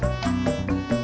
iyang ambilin air dong